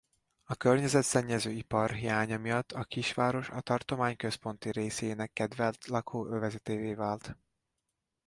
A környezetszennyező ipar hiánya miatt a kisváros a tartomány központi részének kedvelt lakóövezetévé vált.